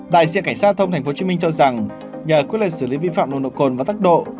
đại diện cảnh sát giao thông tp hcm cho rằng nhờ quyết liệt xử lý vi phạm nồng độ cồn và tốc độ